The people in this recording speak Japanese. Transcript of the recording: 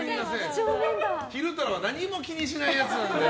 昼太郎は何も気にしないやつなんで。